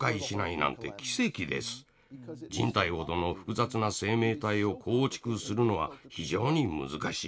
人体ほどの複雑な生命体を構築するのは非常に難しい。